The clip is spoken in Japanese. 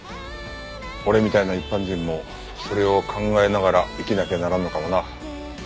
俺みたいな一般人もそれを考えながら生きなきゃならんのかもな。